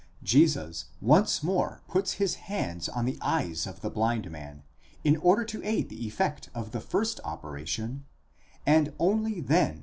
Jesus once more puts his hands on the eyes of the blind man, in order to aid the effect of the first operation, and only then is the cure completed.'